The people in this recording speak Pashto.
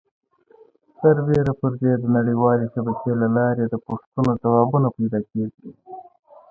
سربیره پر دې د نړۍ والې شبکې له لارې د پوښتنو ځوابونه پیدا کېږي.